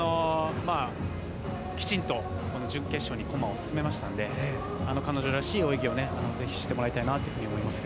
きちんと準決勝に駒を進めましたので彼女らしい泳ぎをぜひしてもらいたいなと思います。